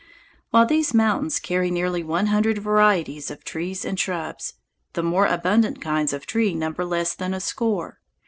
While these mountains carry nearly one hundred varieties of trees and shrubs, the more abundant kinds of trees number less than a score.